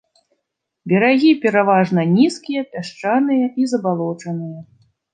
Берагі пераважна нізкія, пясчаныя і забалочаныя.